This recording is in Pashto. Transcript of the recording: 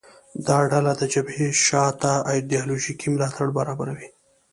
دا ډله د جبهې شا ته ایدیالوژیکي ملاتړ برابروي